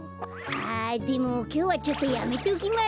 あでもきょうはちょっとやめときます。